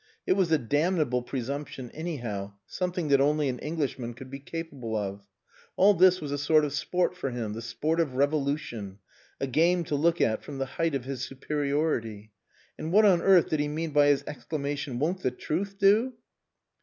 It was a damnable presumption, anyhow, something that only an Englishman could be capable of. All this was a sort of sport for him the sport of revolution a game to look at from the height of his superiority. And what on earth did he mean by his exclamation, "Won't the truth do?"